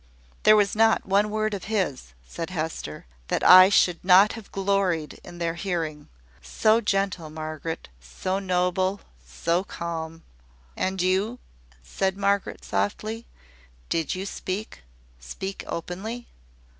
"There was not one word of his," said Hester, "that I should not have gloried in their hearing. So gentle, Margaret! so noble! so calm!" "And you?" said Margaret, softly. "Did you speak speak openly?"